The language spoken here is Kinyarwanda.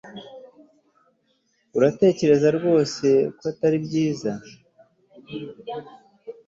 uratekereza rwose ko atari byiza